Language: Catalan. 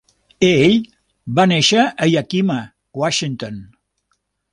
Ell va nàixer a Yakima, Washington.